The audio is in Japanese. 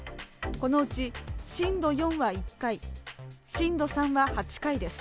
このうち震度４は１回、震度３は８回です。